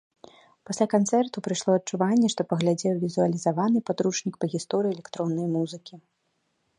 Пасля канцэрту прыйшло адчуванне, што паглядзеў візуалізаваны падручнік па гісторыі электроннай музыкі.